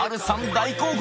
大興奮！